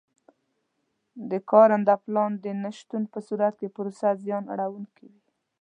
د کارنده پلان د نه شتون په صورت کې پروسه زیان اړوونکې وي.